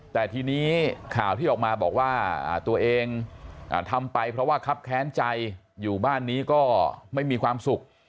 แต่ทีนี้ข่าวที่ออกมาบอกว่าตัวเองทำไปเพราะว่าครับแค้นใจอยู่บ้านนี้ก็ไม่มีความสุข